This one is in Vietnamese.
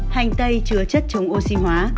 hành tây chứa chất chống oxy hóa